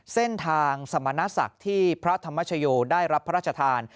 เส้นทางสมณศักดิ์ที่พระธรรมชโยได้รับพระราชทาน